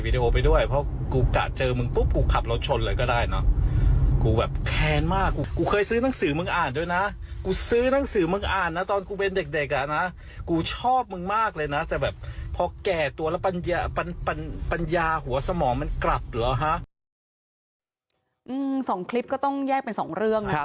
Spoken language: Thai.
ต้องทิ้งสองคลิปต้องแยกเป็นสองเรื่อง